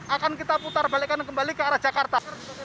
akan kita putar balikan kembali ke arah jakarta